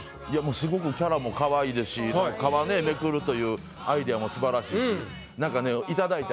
すごくキャラも可愛いですし皮ねめくるというアイディアもすばらしいしなんかね頂いて。